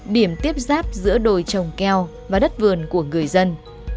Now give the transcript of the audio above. điểm tiếp giáp giữa đồi trồng keo và đất vườn của người dân